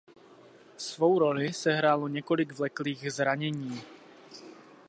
Svou roli sehrálo několik vleklých zranění.